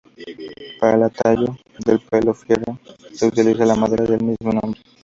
Para el tallado de palo fierro, se utiliza la madera del mismo nombre.